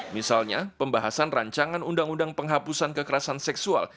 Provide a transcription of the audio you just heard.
misalnya pembahasan rancangan undang undang penghapusan kekerasan seksual